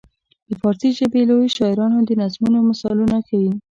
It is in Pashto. د فارسي ژبې لویو شاعرانو د نظمونو مثالونه ښيي.